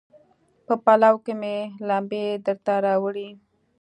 په پلو کې مې لمبې درته راوړي